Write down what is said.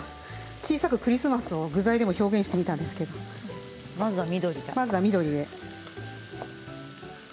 小さくクリスマスを具材でも表現してみたんですけれどもまずは緑で。